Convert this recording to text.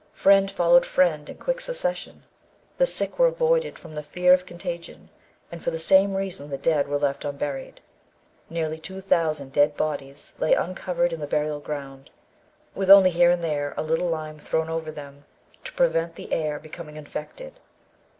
Friend followed friend in quick succession. The sick were avoided from the fear of contagion, and for the same reason the dead were left unburied. Nearly 2000 dead bodies lay uncovered in the burial ground, with only here and there a little lime thrown over them, to prevent the air becoming infected.